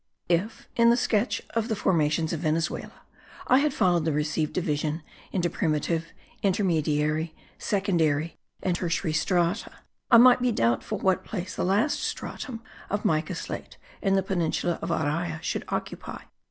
If, in the sketch of the formations of Venezuela, I had followed the received division into primitive, intermediary, secondary and tertiary strata, I might be doubtful what place the last stratum of mica slate in the peninsula of Araya should occupy.